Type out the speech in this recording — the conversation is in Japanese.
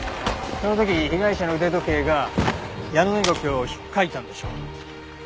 その時被害者の腕時計がヤノネゴケを引っかいたんでしょう。